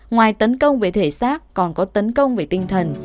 ngoài tấn công về thể xác còn có tấn công về tinh thần